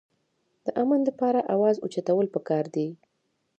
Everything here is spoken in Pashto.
د امن دپاره اواز اوچتول پکار دي